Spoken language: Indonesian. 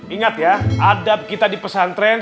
ingat ya adab kita di pesantren